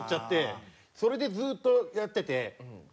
それでずっとやってて。